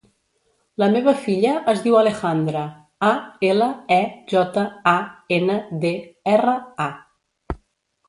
La meva filla es diu Alejandra: a, ela, e, jota, a, ena, de, erra, a.